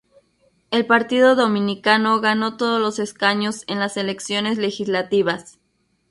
El Partido Dominicano ganó todos los escaños en las elecciones legislativas.